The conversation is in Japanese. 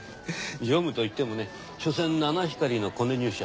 常務といってもねしょせん七光りのコネ入社。